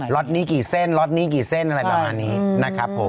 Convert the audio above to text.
็อตนี้กี่เส้นล็อตนี้กี่เส้นอะไรประมาณนี้นะครับผม